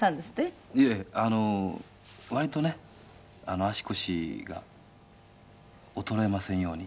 谷村：いえ、あの割とね足腰が衰えませんように。